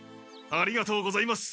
ありがとうございます。